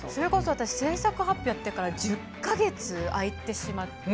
制作発表から１０か月、空いてしまって。